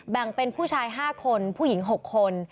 แบ่งเป็นผู้ชาย๕คนผู้หญิง๖คน